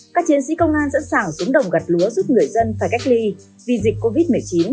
các chiến sĩ công an sẵn sàng xuống đồng gặt lúa giúp người dân phải cách ly vì dịch covid một mươi chín